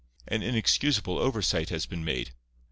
An inexcusable oversight has been made.